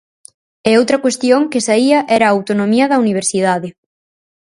E outra cuestión que saía era a autonomía da universidade.